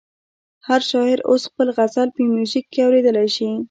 هر شاعر اوس خپل غزل په میوزیک کې اورېدلی شي.